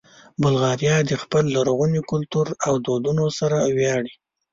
بلغاریان د خپل لرغوني کلتور او دودونو سره ویاړي.